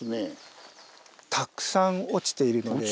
たくさん落ちているので。